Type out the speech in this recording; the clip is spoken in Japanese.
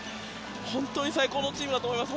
本当に最高のチームだと思います。